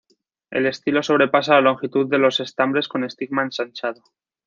El estilo sobrepasa la longitud de los estambres con estigma ensanchado.